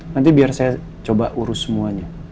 nanti biar saya coba urus semuanya